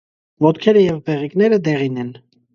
Ոտքերը և բեղիկները դեղին են։